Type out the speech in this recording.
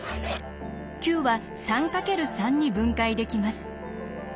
９は３×３に分解できます。